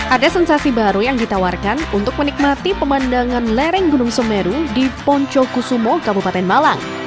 ada sensasi baru yang ditawarkan untuk menikmati pemandangan lereng gunung semeru di poncokusumo kabupaten malang